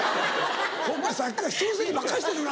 ホンマにさっきから人のせいにばっかりしてるな。